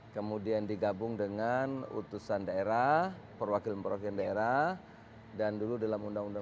kemudian digabung dengan utusan daerah perwakilan perwakilan daerah dan dulu dalam undang undang